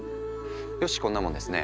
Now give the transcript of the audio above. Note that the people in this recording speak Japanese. よしこんなもんですね。